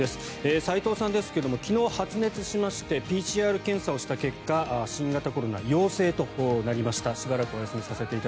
斎藤さんですけども昨日発熱しましてＰＣＲ検査をした結果新型コロナ、陽性となりました。